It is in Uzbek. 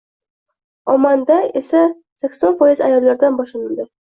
Omanda esa sakson foiz ayollardan boshlanadi.